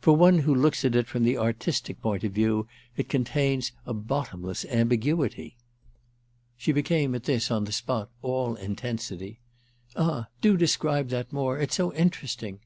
For one who looks at it from the artistic point of view it contains a bottomless ambiguity." She became at this, on the spot, all intensity. "Ah do describe that more—it's so interesting.